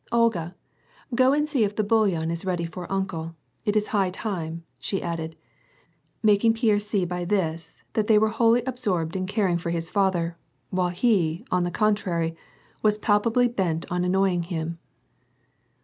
Olga, go and see if the bouillon is ready for uncle, it is high time," she added, making Pierre see by this that they were wholly absorbed in caring for his father, while he, on the contrary, was palpably bent on annoy ing him.